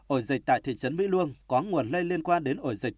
ổ dịch tại thị trấn mỹ luông có nguồn lây liên quan đến ổ dịch